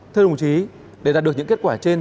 thưa đồng chí để đạt được những kết quả trên